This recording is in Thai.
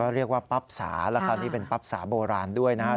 เรียกว่าปั๊บสาแล้วคราวนี้เป็นปั๊บสาโบราณด้วยนะครับ